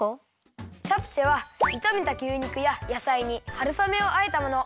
チャプチェはいためた牛肉ややさいにはるさめをあえたもの。